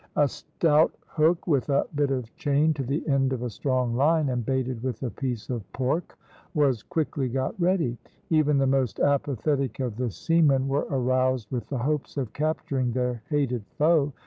A stout hook, with a bit of chain to the end of a strong line, and baited with a piece of pork, was quickly got ready. Even the most apathetic of the seamen were aroused with the hopes of capturing their hated foe.